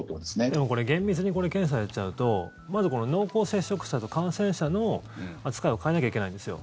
でもこれ厳密に検査やっちゃうとまずこの濃厚接触者と感染者の扱いを変えなきゃいけないんですよ。